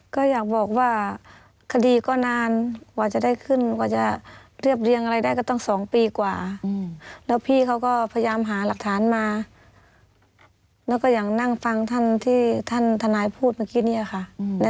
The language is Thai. ก็อยากบอกว่าคดีก็นานกว่าจะได้ขึ้นกว่าจะเรียบเรียงอะไรได้ก็ต้อง๒ปีกว่าแล้วพี่เขาก็พยายามหาหลักฐานมาแล้วก็อย่างนั่งฟังท่านที่ท่านทนายพูดเมื่อกี้เนี่ยค่ะ